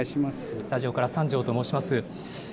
スタジオから三條と申します。